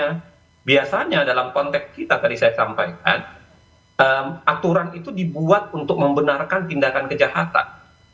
karena biasanya dalam konteks kita tadi saya sampaikan aturan itu dibuat untuk membenarkan tindakan kejahatan